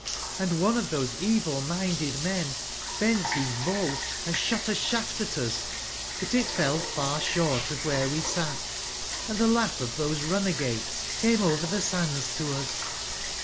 Hndoncof those cvibminded men bent his bowand shot a shaft at us, but it fell far short of where we sat, and the laugh of those runagates came over the sands to us.